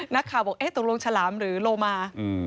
นักข่าวบอกเอ๊ะตกลงฉลามหรือโลมา